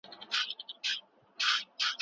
که انلاین زده کړه وي.